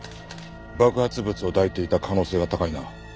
爆発物を抱いていた可能性が高いな。